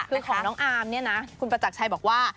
คือของน้องอาร์มเนี่ยนะคุณประจักรชัยบอกว่า